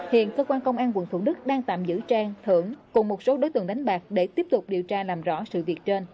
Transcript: hiện cơ quan công an quận thủ đức đang tạm giữ trang thưởng cùng một số đối tượng đánh bạc để tiếp tục điều tra làm rõ sự việc trên